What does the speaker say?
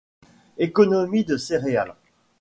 Économie de céréales.